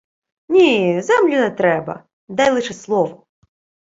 — Ні, землю не треба. Дай лише слово.